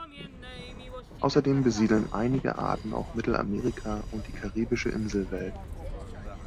Außerdem besiedeln einige Arten auch Mittelamerika und die karibische Inselwelt.